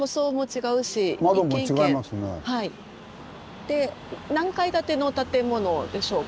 で何階建ての建物でしょうか？